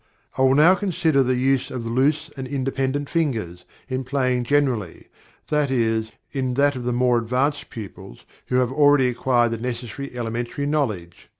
I will now consider the use of loose and independent fingers, in playing generally; i.e., in that of more advanced pupils who have already acquired the necessary elementary knowledge.